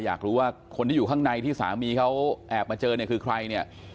อยากรู้ว่าคนที่อยู่ข้างในที่สามีเขาแอบมาเจอเนี่ยคือใครเนี่ย